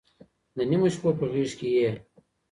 د نيمو شپو په غېږ كي يې